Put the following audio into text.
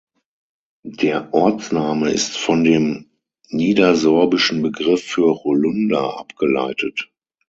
Der Ortsname ist von dem niedersorbischen Begriff für Holunder abgeleitet.